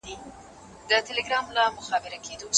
څوک د خپلو ستونزو پړه تل پر بدمرغۍ اچوي؟